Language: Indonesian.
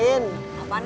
apaan emang jawabannya